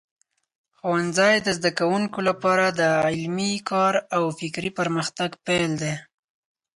ښوونځی د زده کوونکو لپاره د علمي کار او فکري پرمختګ پیل دی.